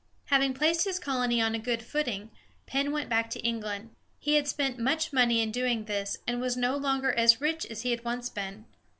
Having placed his colony on a good footing, Penn went back to England. He had spent much money in doing this, and was no longer as rich as he had once been.